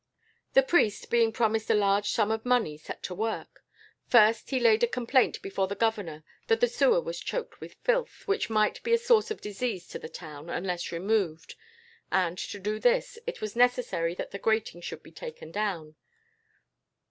"The priest, being promised a large sum of money, set to work. First, he laid a complaint before the governor that the sewer was choked with filth, which might be a source of disease to the town unless removed; and to do this, it was necessary that the grating should be taken down.